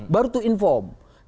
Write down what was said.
baru untuk informasi